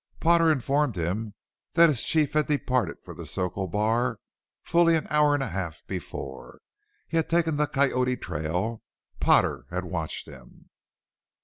Potter informed him that his chief had departed for the Circle Bar fully an hour and a half before. He had taken the Coyote trail Potter had watched him.